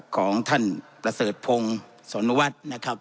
ของท่านประเสริฐพงษ์สวนวัด